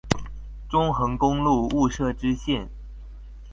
中橫公路霧社支線